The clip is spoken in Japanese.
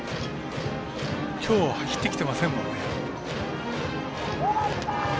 きょうは走ってきてませんもんね。